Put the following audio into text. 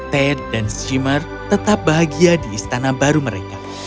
ted dan streammer tetap bahagia di istana baru mereka